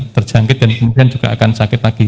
terjangkit dan kemudian juga akan sakit lagi